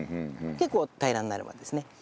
結構平らになるまでですね。